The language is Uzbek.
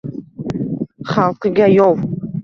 Xalqiga yov